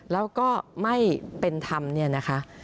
แล้วก็ไม่เป็นธรรมเนี่ยนะคะ